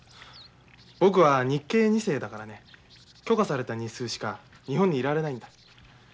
僕は日系二世だからね許可された日数しか日本にいられないんだ。